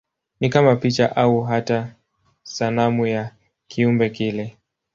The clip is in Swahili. Ni kama picha au hata sanamu ya kiumbe kile.